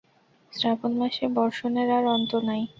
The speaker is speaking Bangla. শ্রাবণমাসে বর্ষণের আর অন্ত নাই।